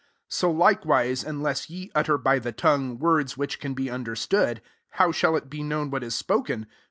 9 So likewise, unless ye utter by the tongue, words which can be un derstood, how shall it be known what is spoken